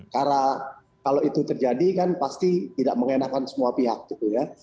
karena kalau itu terjadi kan pasti tidak mengenakan semua pihak gitu ya